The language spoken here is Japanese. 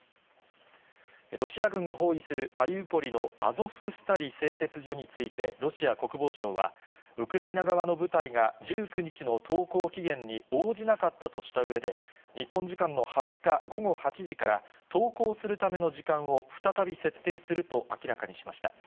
ロシア軍が包囲するマリウポリのアゾフスタリ製鉄所について、ロシア国防省は、ウクライナ側の部隊が、１９日の投降期限に応じなかったとしたうえで、日本時間の２０日午後８時から、投降するための時間を再び設定すると明らかにしました。